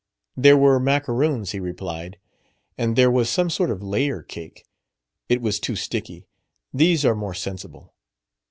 "There were macaroons," he replied; "and there was some sort of layer cake. It was too sticky. These are more sensible."